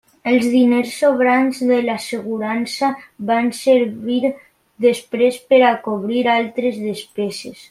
Els diners sobrants de l'assegurança van servir després per cobrir altres despeses.